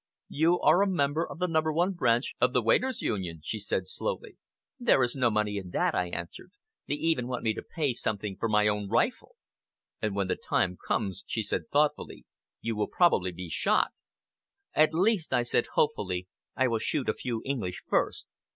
"You are a member of the No. 1 Branch of the Waiters' Union," she said slowly. "There is no money in that," I answered. "They even want me to pay something for my own rifle!" "And when the time comes," she said thoughtfully, "you will probably be shot!" "At least," I said hopefully, "I will shoot a few English first.